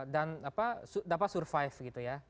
dan dapat survive